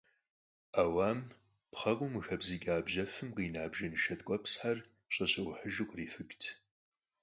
Ӏэуам пхъэкъум къыхэбзыкӀа бжьэфым къина бжэнышэ ткӀуэпсхэр, щӀэщэӀухьыжу, кърифыкӀырт.